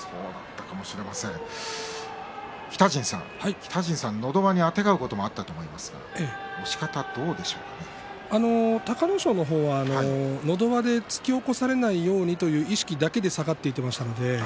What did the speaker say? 北陣さんのど輪にあてがうこともあったと思うんですが隆の勝の方はのど輪で突き起こされないようにという意識だけで下がっていきましたね。